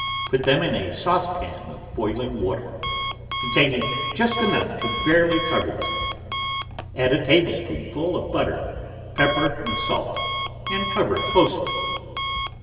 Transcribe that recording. Put them in a saucepan of boihng water containing just enough to barely cover them; add a tablespoonful of but ter, pepper and salt, and cover closely.